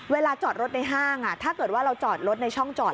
เวลาจอดรถในห้างถ้าเกิดว่าเราจอดรถในช่องจอด